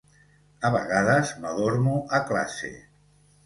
A vegades m'adormo a classe.